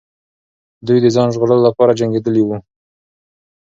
دوی د ځان ژغورلو لپاره جنګېدلې وو.